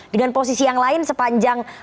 dengan posisi yang lain sepanjang